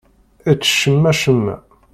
Ečč cemma-cemma.